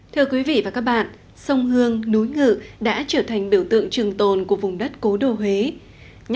thưa quý vị và các bạn